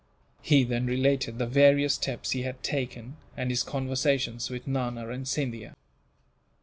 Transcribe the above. He then related the various steps he had taken, and his conversations with Nana and Scindia.